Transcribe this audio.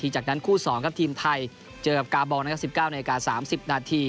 จากนั้นคู่๒ครับทีมไทยเจอกับกาบอง๑๙น๓๐น